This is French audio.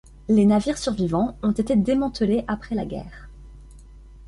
Les navires survivants ont été démantelés après la guerre.